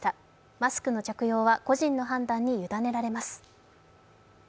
マスクの着用は個人の判断に委ねられます。